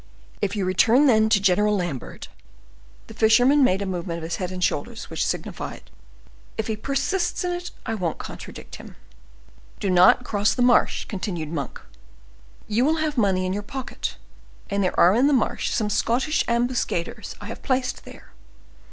If you return, then, to General Lambert—" The fisherman made a movement of his head and shoulders, which signified, "If he persists in it, I won't contradict him." "Do not cross the marsh," continued Monk: "you will have money in your pocket, and there are in the marsh some Scottish ambuscaders I have placed there.